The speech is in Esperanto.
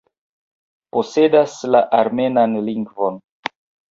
Posedas la armenan lingvon.